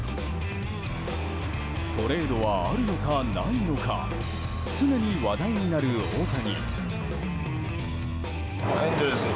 トレードはあるのか、ないのか常に話題になる大谷。